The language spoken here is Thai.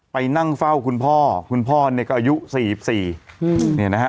ไปนั่งเฝ้าคุณพ่อคุณพ่อเนี่ยก็อายุ๔๔เนี่ยนะฮะ